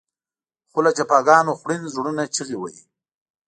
خو له جفاګانو خوړین زړونه چغې وهي.